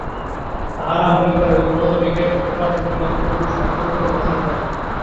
তাহারা মনে করে ঐ ক্ষমতা মেঘের ওপার হইতে কোন দিব্যপুরুষ তাহাদের উপর বর্ষণ করেন।